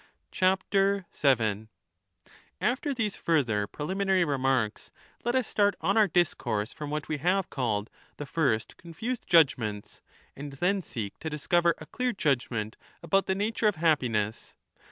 ^ After these further preliminary remarks let us start on 7 our discourse from what we have called^ the first confused 20 judgements, and then ^ seek to discover a clear judgement about the nature of happiness.